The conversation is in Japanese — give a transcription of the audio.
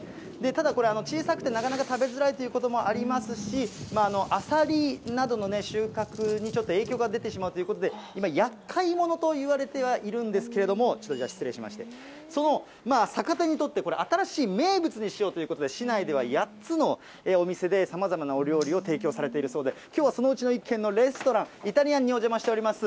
ただこれ、小さくてなかなか食べづらいということもありますし、アサリなどの収穫にちょっと、影響が出てしまうということで、今、やっかい者と言われてはいるんですけど、ちょっとじゃあ失礼しまして、それを逆手にとって、新しい名物にしようということで、市内では８つのお店でさまざまなお料理を提供されているそうで、きょうはそのうちの１軒のレストラン、イタリアンにお邪魔しております。